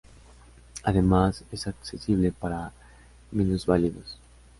Además es accesible para minusválidos.